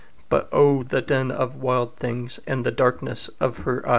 But oh, the den of wild things in The darkness of her eyes!